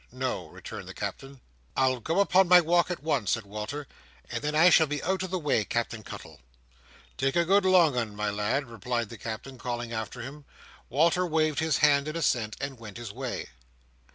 "No," returned the Captain. "I'll go upon my walk at once," said Walter, "and then I shall be out of the way, Captain Cuttle." "Take a good long "un, my lad!" replied the Captain, calling after him. Walter waved his hand in assent, and went his way.